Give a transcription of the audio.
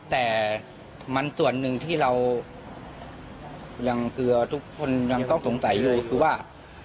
แต่มันส่วนหนึ่งที่เราทุกคนยังต้องสงสัยอยู่คือว่า